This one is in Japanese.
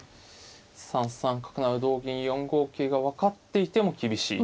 ３三角成同銀４五桂が分かっていても厳しい。